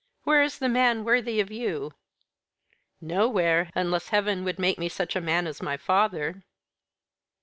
"Where is the man worthy of you?" "Nowhere; unless Heaven would make me such a man as my father."